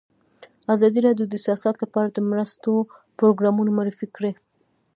ازادي راډیو د سیاست لپاره د مرستو پروګرامونه معرفي کړي.